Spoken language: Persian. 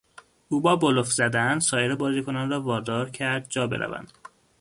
او با بلوف زدن سایر بازیکنان را وادار کرد جا بروند.